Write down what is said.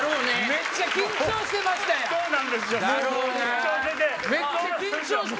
めっちゃ緊張してんすよ。